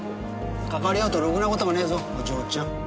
かかわり合うとろくな事がねえぞお嬢ちゃん。